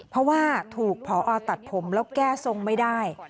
เพราะว่าถูกพอตัดผมแล้วแก้ทรงไม่ได้